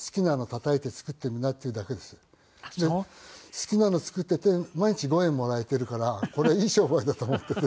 好きなの作っていて毎日５円もらえているからこれはいい商売だと思っていて。